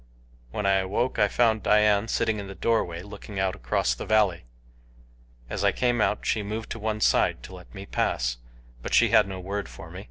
When I awoke I found Dian sitting in the doorway looking out across the valley. As I came out she moved to one side to let me pass, but she had no word for me.